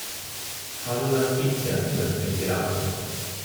Al-Ittihad ritirato.